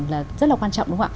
là rất là quan trọng đúng không ạ